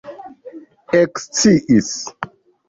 eksciis